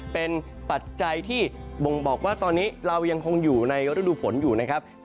เป็นปัจจัยที่บ่งบอกว่าตอนนี้เรายังคงอยู่ในฤดูฝนอยู่นะครับ